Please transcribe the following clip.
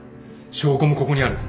証拠もここにある